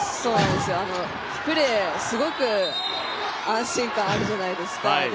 プレー、すごく安心感があるじゃないですか。